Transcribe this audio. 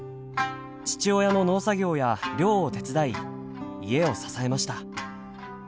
父親の農作業や漁を手伝い家を支えました。